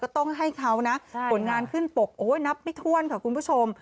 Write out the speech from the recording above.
ต้องให้เขานะผลงานขึ้นปกโอ้ยนับไม่ถ้วนค่ะคุณผู้ชม